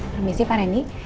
permisi pak reni